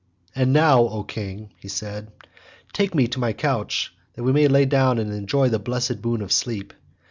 "And now, O king," he said, "take me to my couch that we may lie down and enjoy the blessed boon of sleep.